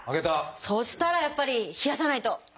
そしたらやっぱり冷やさないと。